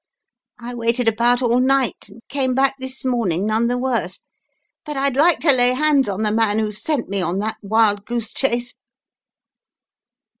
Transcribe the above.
I waited about all night, and came back this morn ing, none the worse. But I'd like to lay hands on the man who sent me on that wild goose chase."